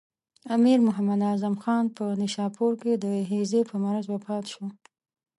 امیر محمد اعظم خان په نیشاپور کې د هیضې په مرض وفات شو.